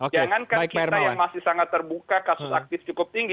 jangankan kita yang masih sangat terbuka kasus aktif cukup tinggi